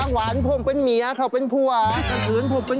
ให้เป็นนอน